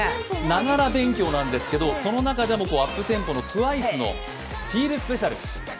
ながら勉強なんですけど、その中でもアップテンポのＴＷＩＣＥの「ＦｅｅｌＳｐｅｃｉａｌ」